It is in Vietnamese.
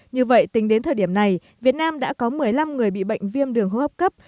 như vậy tính đến thời điểm này việt nam đã có một mươi năm người bị bệnh viêm đường hô hấp cấp